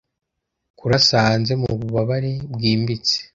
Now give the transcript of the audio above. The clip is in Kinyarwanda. Kurasa hanze mu bubabare bwimbitse